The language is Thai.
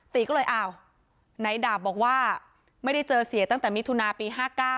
ตีก็เลยอ้าวนายดาบบอกว่าไม่ได้เจอเสียตั้งแต่มิถุนาปี๕๙